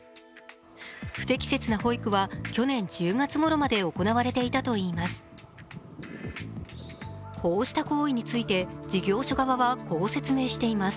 不適切な保育は去年１０月ごろまで行われていたといいます。